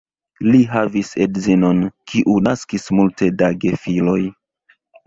Li havis edzinon, kiu naskis multe da gefiloj.